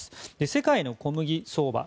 世界の小麦相場